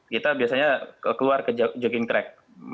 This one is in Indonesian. kita biasanya keluar ke jogging track